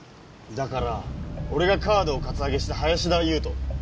だから俺がカードをカツアゲした林田悠斗。